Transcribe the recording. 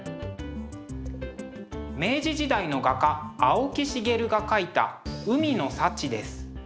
明治時代の画家青木繁が描いた「海の幸」です。